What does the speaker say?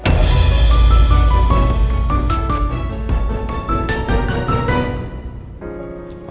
aku udah mau